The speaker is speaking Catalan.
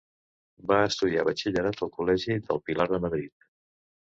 Va estudiar batxillerat al col·legi del Pilar de Madrid.